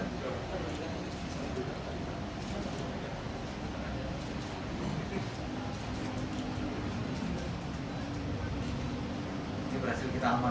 ini berhasil kita amankan